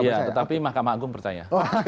iya tetapi mahkamah agung percaya